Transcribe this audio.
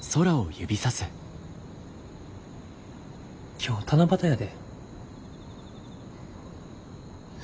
今日七夕やで。